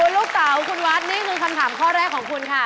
ลูกเต๋าคุณวัดนี่คือคำถามข้อแรกของคุณค่ะ